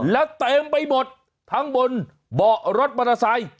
แล้วเต็มไปหมดทั้งบนเบาะรถมอเตอร์ไซค์